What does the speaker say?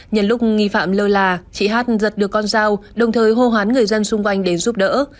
nhân lúc nghi phạm lơ là chị hát giật được con dao đồng thời hô hoán người dân xung quanh đến giúp đỡ